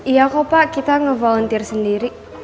iya kok pak kita ngevolunteer sendiri